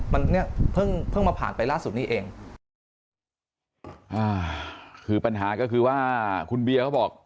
มันเนี้ยเพิ่งเพิ่งมาผ่านไปล่าสุดนี้เองอ่าคือปัญหาก็คือว่าคุณเบียเขาบอก